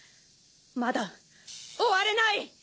まだ終われない！